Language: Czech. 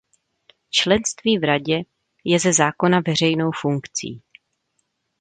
Členství v Radě je ze zákona veřejnou funkcí.